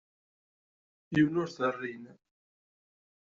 Yiwen ur t-rrin.